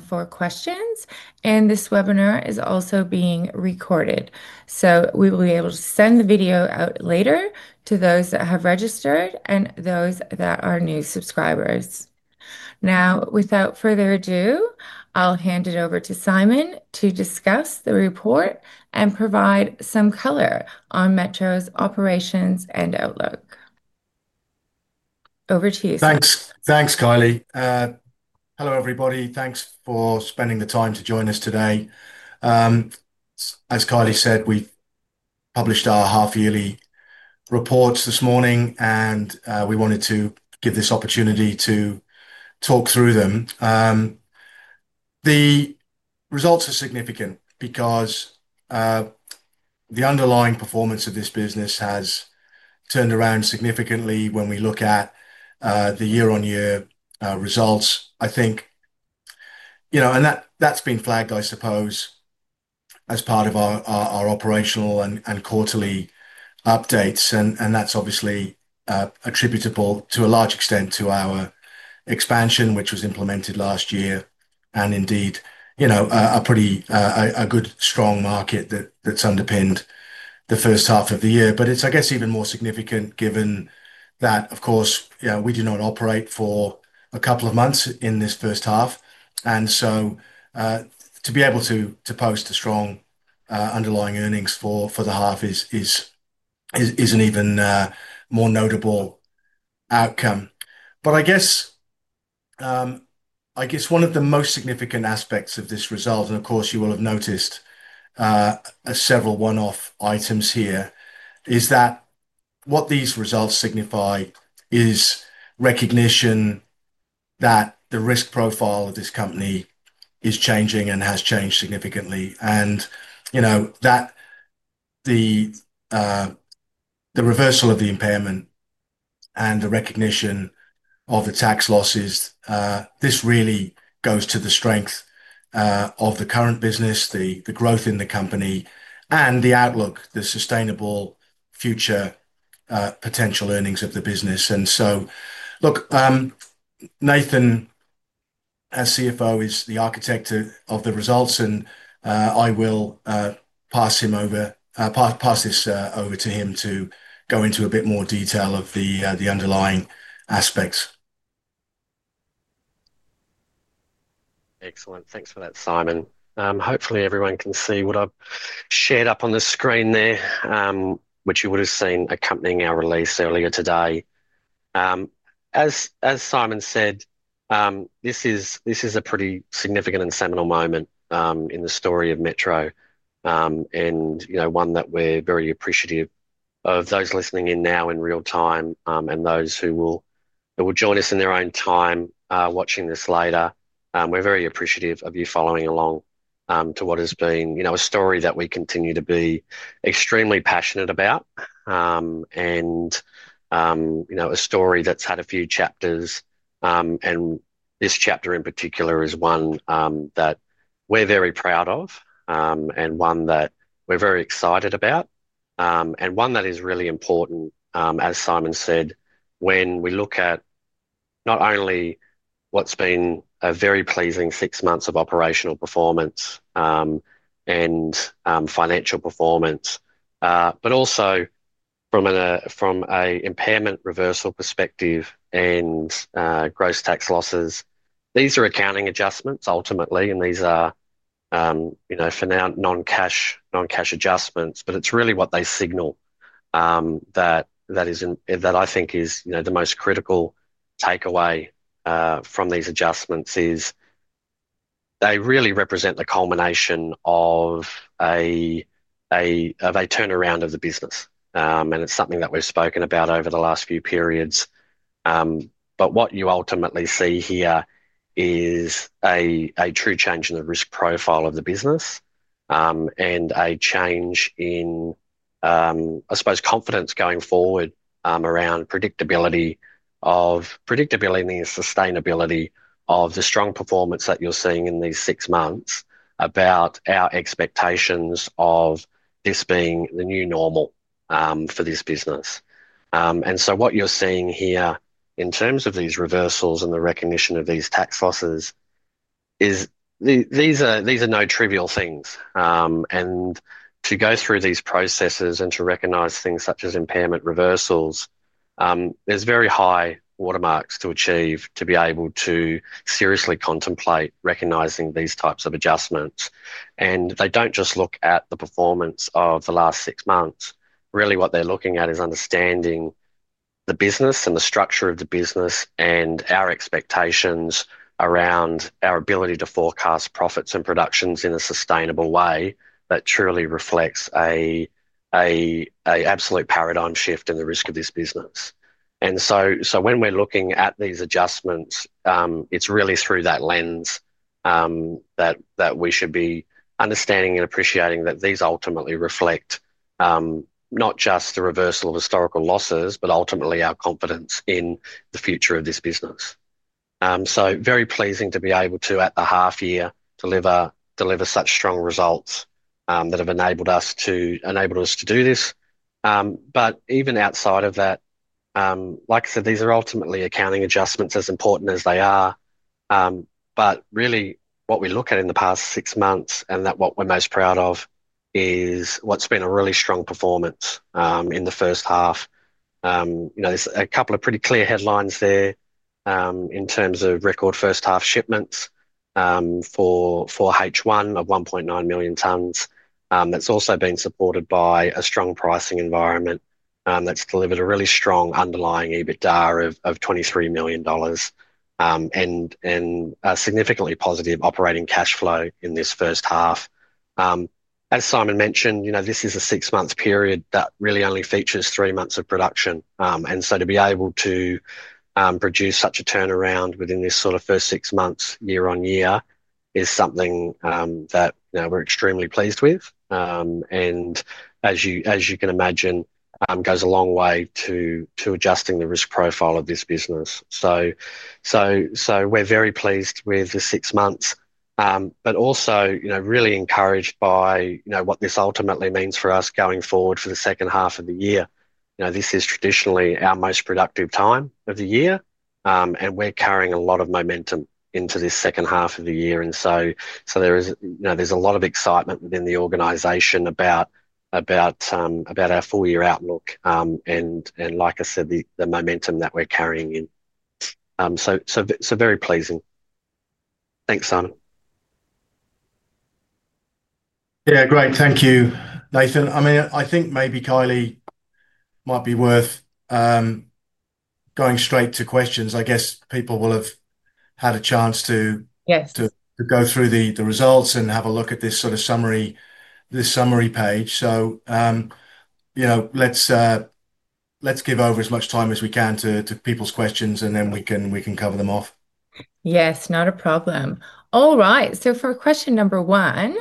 For questions, this webinar is also being recorded. We will be able to send the video out later to those that have registered and those that are new subscribers. Now, without further ado, I'll hand it over to Simon to discuss the report and provide some color on Metro Mining's operations and outlook. Over to you. Thanks, thanks, Kylie. Hello, everybody. Thanks for spending the time to join us today. As Kylie said, we published our half-yearly reports this morning, and we wanted to give this opportunity to talk through them. The results are significant because the underlying performance of this business has turned around significantly when we look at the year-on-year results. I think, you know, that's been flagged, I suppose, as part of our operational and quarterly updates. That's obviously attributable to a large extent to our expansion, which was implemented last year, and indeed, you know, a pretty good, strong market that's underpinned the first half of the year. I guess it's even more significant given that, of course, you know, we did not operate for a couple of months in this first half. To be able to post a strong underlying earnings for the half is an even more notable outcome. I guess one of the most significant aspects of this result, and of course, you will have noticed several one-off items here, is that what these results signify is recognition that the risk profile of this company is changing and has changed significantly. You know that the reversal of the impairment and the recognition of the tax losses, this really goes to the strength of the current business, the growth in the company, and the outlook, the sustainable future potential earnings of the business. Nathan, as CFO, is the architect of the results, and I will pass this over to him to go into a bit more detail of the underlying aspects. Excellent. Thanks for that, Simon. Hopefully, everyone can see what I've shared up on the screen there, which you would have seen accompanying our release earlier today. As Simon said, this is a pretty significant and sentinel moment in the story of Metro Mining, and one that we're very appreciative of those listening in now in real time and those who will join us in their own time watching this later. We're very appreciative of you following along to what has been a story that we continue to be extremely passionate about, and a story that's had a few chapters. This chapter in particular is one that we're very proud of and one that we're very excited about and one that is really important, as Simon said, when we look at not only what's been a very pleasing six months of operational performance and financial performance, but also from an impairment reversal perspective and gross tax losses. These are accounting adjustments, ultimately, and these are for now, non-cash adjustments, but it's really what they signal that I think is the most critical takeaway from these adjustments. They really represent the culmination of a turnaround of the business. It's something that we've spoken about over the last few periods. What you ultimately see here is a true change in the risk profile of the business and a change in, I suppose, confidence going forward around predictability and the sustainability of the strong performance that you're seeing in these six months about our expectations of this being the new normal for this business. What you're seeing here in terms of these reversals and the recognition of these tax losses is these are no trivial things. To go through these processes and to recognize things such as impairment reversals, there's very high watermarks to achieve to be able to seriously contemplate recognizing these types of adjustments. They don't just look at the performance of the last six months. Really, what they're looking at is understanding the business and the structure of the business and our expectations around our ability to forecast profits and productions in a sustainable way that truly reflects an absolute paradigm shift in the risk of this business. When we're looking at these adjustments, it's really through that lens that we should be understanding and appreciating that these ultimately reflect not just the reversal of historical losses, but ultimately our confidence in the future of this business. It is very pleasing to be able to, at the half-year, deliver such strong results that have enabled us to do this. Even outside of that, like I said, these are ultimately accounting adjustments, as important as they are. What we look at in the past six months and what we're most proud of is what's been a really strong performance in the first half. There are a couple of pretty clear headlines there in terms of record first-half shipments for H1 of 1.9 million tons. That's also been supported by a strong pricing environment that's delivered a really strong underlying EBITDA of $23 million and a significantly positive operating cash flow in this first half. As Simon mentioned, this is a six-month period that really only features three months of production. To be able to produce such a turnaround within this sort of first six months, year-on-year, is something that we're extremely pleased with. As you can imagine, it goes a long way to adjusting the risk profile of this business. We are very pleased with the six months, and also really encouraged by what this ultimately means for us going forward for the second half of the year. This is traditionally our most productive time of the year, and we're carrying a lot of momentum into this second half of the year. There is a lot of excitement within the organization about our full-year outlook and, like I said, the momentum that we're carrying in. Very pleasing. Thanks, Simon. Yeah, great. Thank you, Nathan. I mean, I think maybe Kylie, it might be worth going straight to questions. I guess people will have had a chance to go through the results and have a look at this sort of summary page. You know, let's give over as much time as we can to people's questions, and then we can cover them off. Yes, not a problem. All right. For question number one,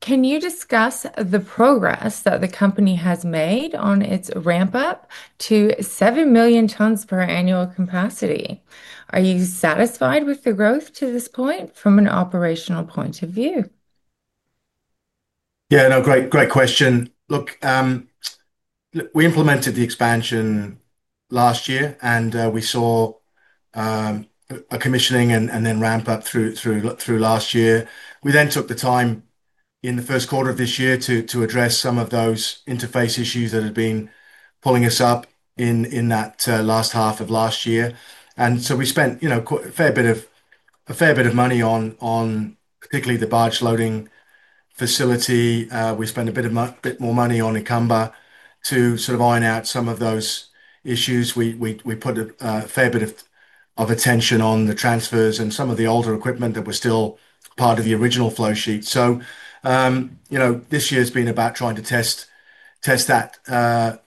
can you discuss the progress that the company has made on its ramp-up to 7 million tons per annual capacity? Are you satisfied with the growth to this point from an operational point of view? Yeah, no, great question. Look, we implemented the expansion last year, and we saw a commissioning and then ramp-up through last year. We then took the time in the first quarter of this year to address some of those interface issues that had been pulling us up in that last half of last year. We spent a fair bit of money on particularly the barge loading facility. We spent a bit more money on Ikamba to sort of iron out some of those issues. We put a fair bit of attention on the transfers and some of the older equipment that were still part of the original flow sheet. This year's been about trying to test that,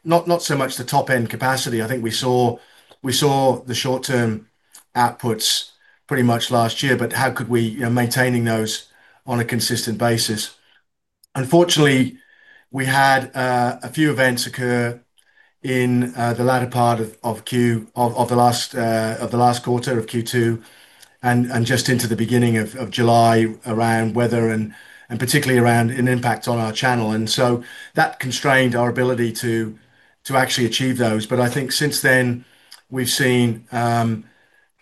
not so much the top-end capacity. I think we saw the short-term outputs pretty much last year, but how could we maintain those on a consistent basis? Unfortunately, we had a few events occur in the latter part of Q2 of the last quarter of Q2 and just into the beginning of July around weather and particularly around an impact on our channel. That constrained our ability to actually achieve those. I think since then, we've seen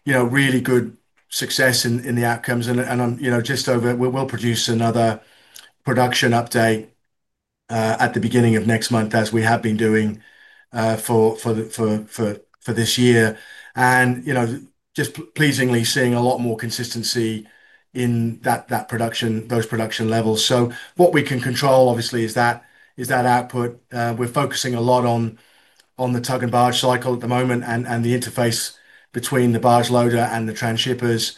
really good success in the outcomes. We'll produce another production update at the beginning of next month, as we have been doing for this year. You know, just pleasingly seeing a lot more consistency in those production levels. What we can control, obviously, is that output. We're focusing a lot on the tug and barge cycle at the moment and the interface between the barge loader and the transshippers.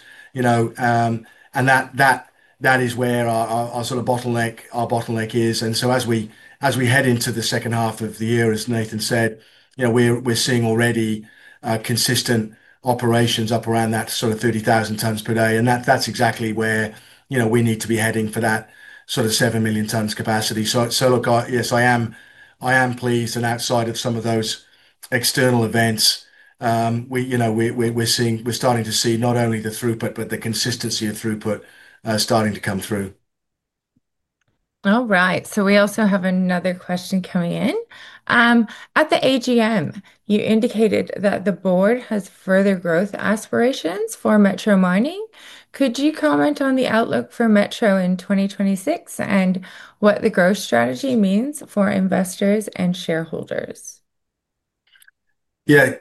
That is where our sort of bottleneck is. As we head into the second half of the year, as Nathan said, we're seeing already consistent operations up around that sort of 30,000 tons per day. That's exactly where you know we need to be heading for that sort of 7 million tons capacity. Yes, I am pleased. Outside of some of those external events, we're starting to see not only the throughput, but the consistency of throughput starting to come through. All right. We also have another question coming in. At the AGM, you indicated that the board has further growth aspirations for Metro Mining. Could you comment on the outlook for Metro Mining in 2026 and what the growth strategy means for investors and shareholders? Yeah,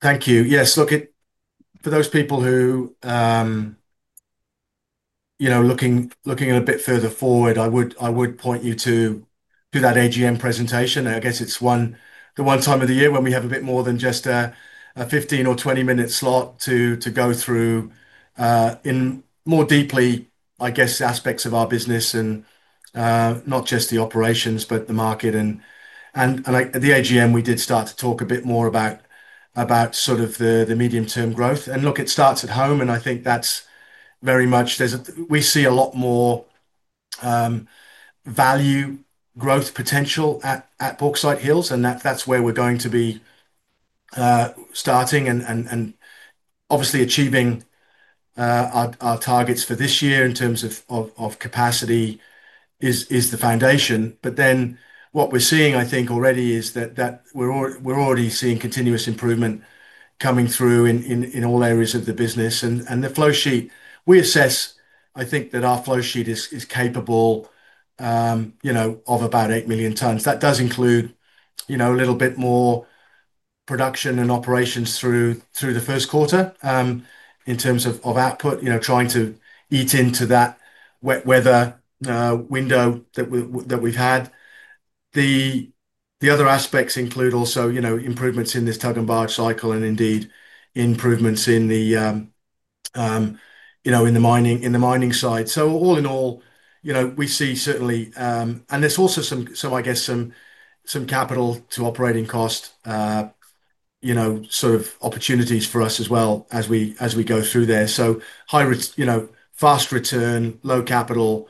thank you. Yes. Look, for those people who are looking at a bit further forward, I would point you to that AGM presentation. I guess it's the one time of the year when we have a bit more than just a 15 or 20-minute slot to go through more deeply, I guess, aspects of our business and not just the operations, but the market. At the AGM, we did start to talk a bit more about sort of the medium-term growth. It starts at home. I think that's very much we see a lot more value growth potential at Bauxite Hills. That's where we're going to be starting and obviously achieving our targets for this year in terms of capacity is the foundation. What we're seeing, I think, already is that we're already seeing continuous improvement coming through in all areas of the business. The flow sheet, we assess, I think, that our flow sheet is capable of about 8 million tons. That does include a little bit more production and operations through the first quarter in terms of output, trying to eat into that wet weather window that we've had. The other aspects include also improvements in this tug and barge cycle and indeed improvements in the mining side. All in all, we see certainly, and there's also some, I guess, some capital to operating cost opportunities for us as we go through there. High, fast return, low capital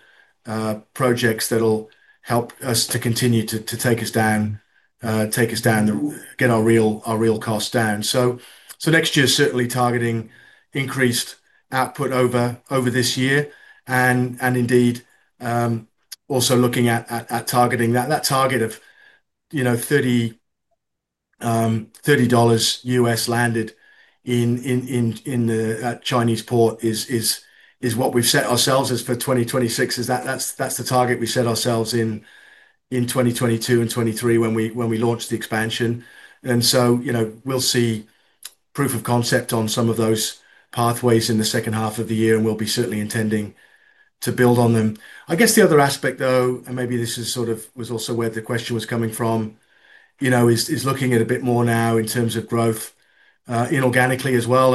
projects that will help us to continue to take us down, take us down, get our real costs down. Next year, certainly targeting increased output over this year. Indeed, also looking at targeting that target of, you know, $30 U.S. landed in the Chinese ports is what we've set ourselves as for 2026. That's the target we set ourselves in 2022 and 2023 when we launched the expansion. We'll see proof of concept on some of those pathways in the second half of the year, and we'll be certainly intending to build on them. I guess the other aspect, though, and maybe this is sort of also where the question was coming from, is looking at a bit more now in terms of growth inorganically as well.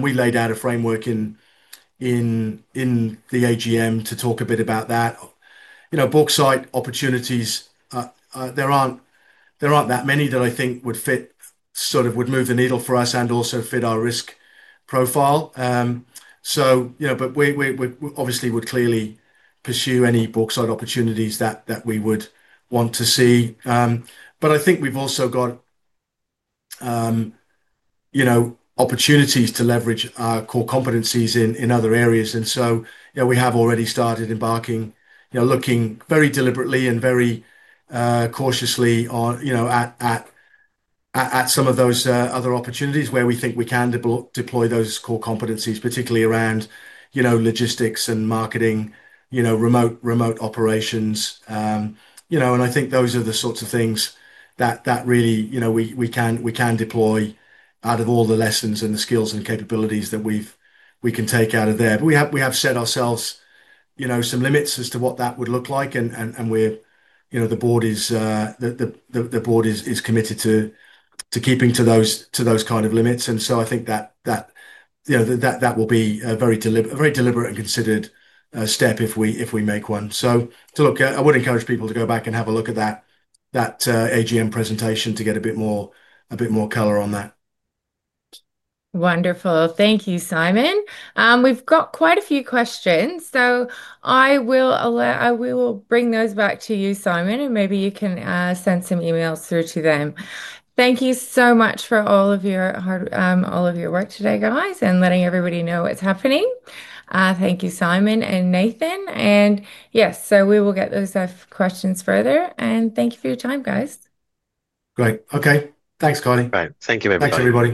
We laid out a framework in the AGM to talk a bit about that. Brookside opportunities, there aren't that many that I think would fit, sort of would move the needle for us and also fit our risk profile. We obviously would clearly pursue any Brookside opportunities that we would want to see. I think we've also got opportunities to leverage our core competencies in other areas. We have already started embarking, looking very deliberately and very cautiously at some of those other opportunities where we think we can deploy those core competencies, particularly around logistics and marketing, remote operations. I think those are the sorts of things that really we can deploy out of all the lessons and the skills and capabilities that we can take out of there. We have set ourselves some limits as to what that would look like, and the board is committed to keeping to those kind of limits. I think that will be a very deliberate and considered step if we make one. I would encourage people to go back and have a look at that AGM presentation to get a bit more color on that. Wonderful. Thank you, Simon. We've got quite a few questions. I will bring those back to you, Simon, and maybe you can send some emails through to them. Thank you so much for all of your work today, guys, and letting everybody know what's happening. Thank you, Simon and Nathan. Yes, we will get those questions further. Thank you for your time, guys. Great. Okay. Thanks, Kylie. Great. Thank you, everybody. Thanks, everybody.